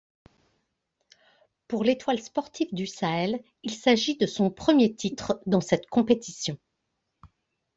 Pour l'Étoile sportive du Sahel, il s'agit de son premier titre dans cette compétition.